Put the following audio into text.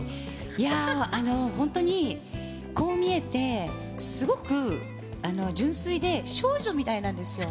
いやー、本当にこう見えて、すごく純粋で、少女みたいなんですよ。